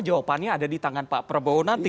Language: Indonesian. jawabannya ada di tangan pak prabowo nanti